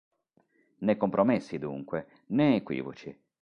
Né compromessi dunque, né equivoci.